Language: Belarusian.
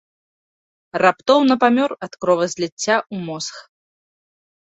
Раптоўна памёр ад кровазліцця ў мозг.